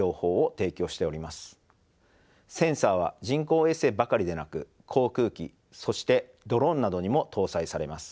センサは人工衛星ばかりでなく航空機そしてドローンなどにも搭載されます。